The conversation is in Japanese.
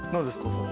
それ。